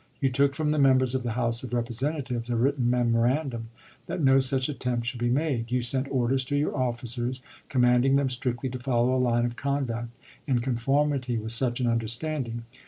You took from the Members of the House of Represent atives a written memorandum that no such attempt should be made. .. You sent orders to your officers commanding them strictly to follow a line of conduct in conformity with such an understanding.